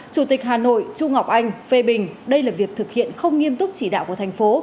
chủ tịch hà nội trung ngọc anh phê bình đây là việc thực hiện không nghiêm túc chỉ đạo của thành phố